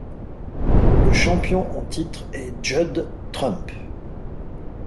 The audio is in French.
Le champion en titre est Judd Trump.